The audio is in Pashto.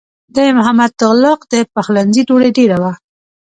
د محمد تغلق د پخلنځي ډوډۍ ډېره وه.